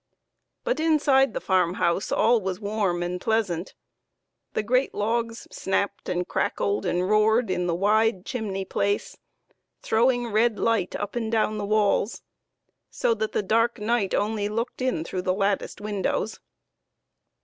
But inside the farm house all was warm and pleasant; the great logs snapped and crackled and roared in the wide chimney place, throwing red light up and down the walls, so that the dark night only looked in through the latticed windows.